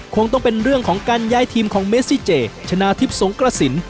คงต้องเป็นเรื่องของการย้ายทีมของเมซิเจชนะทิพย์สงกระสิน